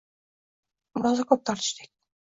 Rosa ko’p tortishdik…